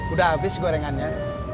udah habis gorengannya